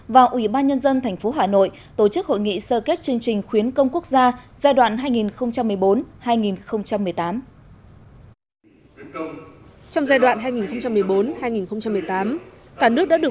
và ủy ban nhân dân tp hà nội tổ chức hội nghị sơ kết chương trình khuyến công quốc gia giai đoạn hai nghìn một mươi bốn hai nghìn một mươi tám